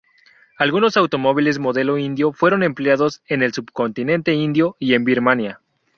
Algunos automóviles Modelo Indio fueron empleados en el subcontinente indio y en Birmania.